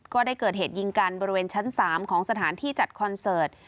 ก็ได้เกิดเหตุยิงกันบริเวณชั้น๓ของสถานที่จัดคอนเสิร์ต